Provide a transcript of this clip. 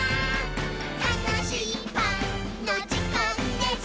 「たのしいパンのじかんです！」